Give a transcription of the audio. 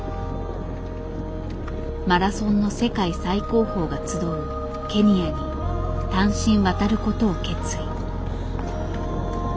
マラソンの世界最高峰が集うケニアに単身渡ることを決意。